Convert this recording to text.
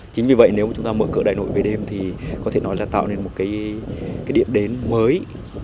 chính vì vậy nếu chúng ta mở cửa đại nội về đêm thì có thể nói là tạo nên một cái điểm đến mới